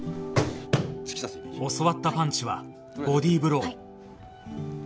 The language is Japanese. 教わったパンチはボディーブロー